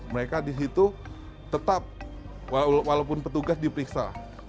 mereka di situ tetap walaupun petugas diperiksa